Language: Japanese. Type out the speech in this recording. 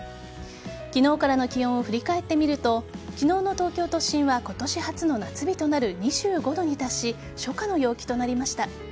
昨日からの気温を振り返ってみると昨日の東京都心は今年初の夏日となる２５度に達し初夏の陽気となりました。